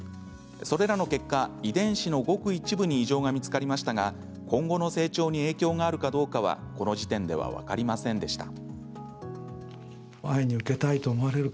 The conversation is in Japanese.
それらの結果遺伝子のごく一部に異常が見つかりましたが今後の成長に影響があるかどうかはこの時点では分かりませんでした。